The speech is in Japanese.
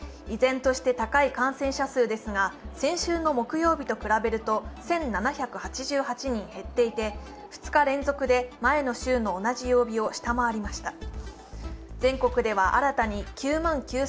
依然として高い感染者数ですが、先週の木曜日と比べると１７８８人減っていて、２日連続で前の週の同じ曜日を下回りました。